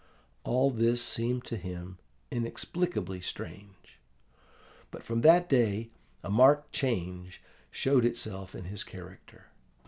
All this seemed to him inexplicably strange. But from that day a marked change showed itself in his character.